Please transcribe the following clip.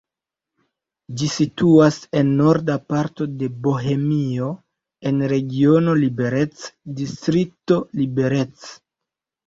Ĝi situas en norda parto de Bohemio, en regiono Liberec, distrikto Liberec.